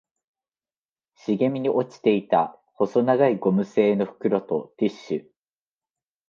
茂みに落ちていた細長いゴム製の袋とティッシュ